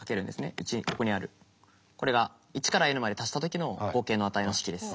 ここにあるこれが１からｎまで足した時の合計の値の式です。